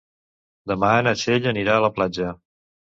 Demà na Txell anirà a la platja.